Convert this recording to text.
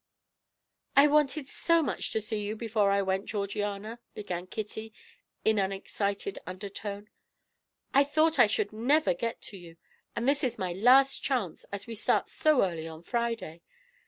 "I wanted so much to see you before I went, Georgiana," began Kitty in an excited undertone. "I thought I should never get to you, and this is my last chance, as we start so early on Friday.